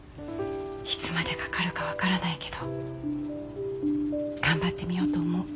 いつまでかかるか分からないけど頑張ってみようと思う。